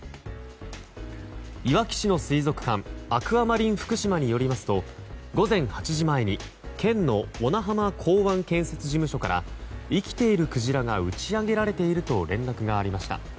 いわき市の水族館アクアマリンふくしまによりますと午前８時前に県の小名浜港湾建設事務所から生きているクジラが打ち揚げられていると連絡がありました。